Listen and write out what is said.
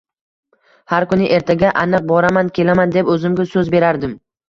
Har kuni, ertaga aniq borib kelaman, deb o`zimga so`z berardim